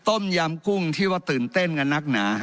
ต้มยำกุ้งที่ว่าตื่นเต้นกับนักหนา